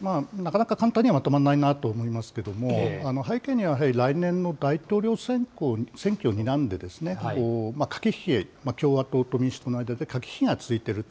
なかなか簡単にはまとまらないなと思いますけれども、背景にはやはり来年の大統領選挙をにらんでですね、駆け引き、共和党と民主党の間で駆け引きが続いていると。